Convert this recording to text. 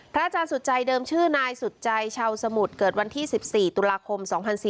อาจารย์สุดใจเดิมชื่อนายสุดใจชาวสมุทรเกิดวันที่๑๔ตุลาคม๒๔๔